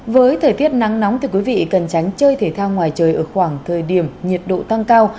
với thời tiết nắng nóng thì quý vị cần tránh chơi thể thao ngoài trời ở khoảng thời điểm nhiệt độ tăng cao